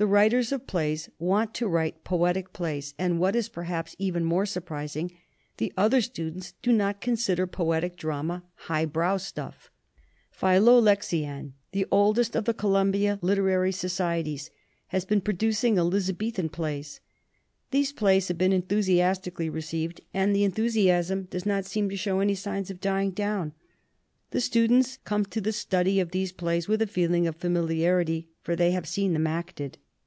The writers of plays want to write poetic plays, and what is perhaps even more surprising the other students do not consider poetic drama 'high brow stuff.' "Philolexian, the oldest of the Columbia liter 204 LITERATURE IN COLLEGES ary societies, has been producing Elizabethan plays. These plays have been enthusiastically re ceived, and the enthusiasm does not seem to show any signs of dying down. The students come to the study of these plays with a feeling of familiar ity, for they have seen them acted."